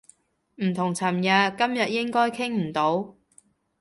唔同尋日，今日應該傾唔到